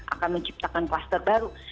akan menciptakan plaster baru